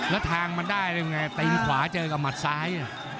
แล้วแทงมันได้ยังไงตีนขวาเจอกับหมัดซ้าย